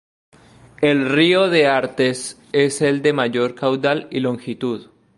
El río de Artes es el de mayor caudal y longitud.